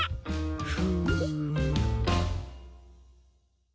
フーム。